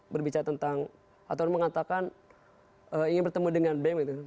berbicara tentang atau mengatakan ingin bertemu dengan bem